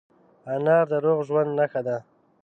انار د روغ ژوند نښه ده.